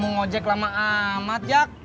ngojek lama amat jak